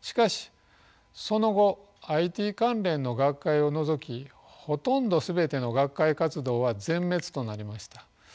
しかしその後ＩＴ関連の学会を除きほとんど全ての学会活動は全滅となりました。